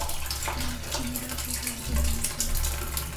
El funeral tuvo lugar en la Universidad.